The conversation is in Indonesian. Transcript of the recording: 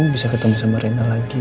bisa ketemu sama renar lagi